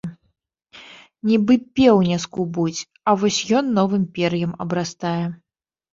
Нібы пеўня скубуць, а вось ён новым пер'ем абрастае.